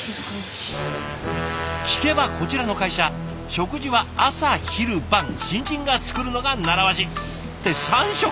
聞けばこちらの会社食事は朝昼晩新人が作るのが習わし。って３食！？